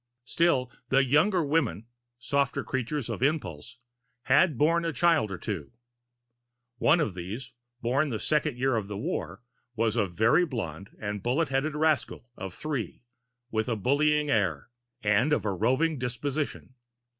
Still the younger women, softer creatures of impulse, had borne a child or two. One of these, born the second year of the war, was a very blonde and bullet headed rascal of three, with a bullying air, and of a roving disposition.